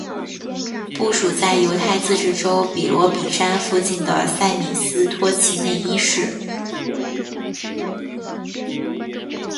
部署在犹太自治州比罗比詹附近的塞米斯托齐内伊市。